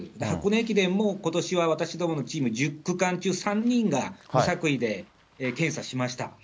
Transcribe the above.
箱根駅伝もことしは、私どものチーム、１０区間中３人が、無作為で検査しました。